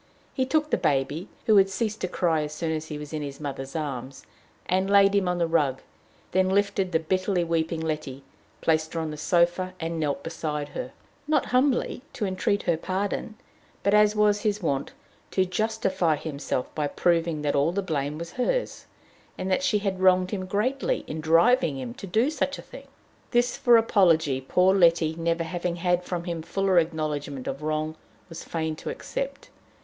He took the baby, who had ceased to cry as soon as he was in his mother's arms, and laid him on the rug, then lifted the bitterly weeping Letty, placed her on the sofa, and knelt beside her not humbly to entreat her pardon, but, as was his wont, to justify himself by proving that all the blame was hers, and that she had wronged him greatly in driving him to do such a thing. This for apology poor Letty, never having had from him fuller acknowledgment of wrong, was fain to accept.